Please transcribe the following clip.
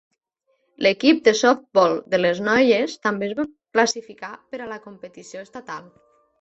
L'equip de softbol de les noies també es va classificar per a la competició estatal.